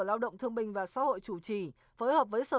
lao động thương bình và xã hội chủ trì phối hợp với sở